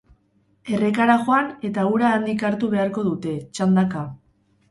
Errekara joan, eta ura handik hartu beharko dute, txandaka.